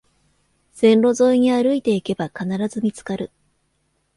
線路沿いに歩いていけば必ず見つかる